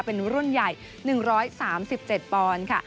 เป็นรุ่นใหญ่๑๓๗ปอนด์ค่ะ